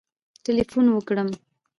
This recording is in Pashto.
ټلېفون وکړم